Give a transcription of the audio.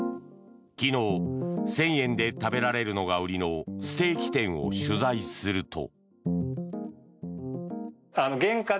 昨日、１０００円で食べられるのが売りのステーキ店を取材すると。